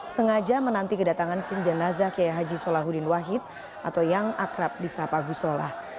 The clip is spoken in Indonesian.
sengaja menanti kedatangan jenazah kiai haji solahuddin wahid atau yang akrab di sapa gusolah